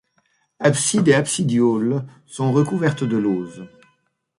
Abside et absidioles sont recouvertes de lauzes.